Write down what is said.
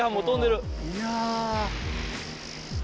いや。